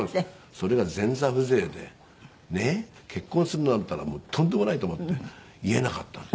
それが前座風情でねえ結婚するなんていったらとんでもないと思って言えなかった。